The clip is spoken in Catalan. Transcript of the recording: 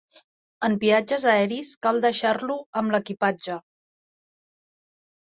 En viatges aeris cal deixar-lo amb l'equipatge.